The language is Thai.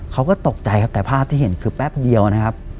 เขาก็ตกใจครับแต่ภาพที่เห็นคือแป๊บเดียวนะครับ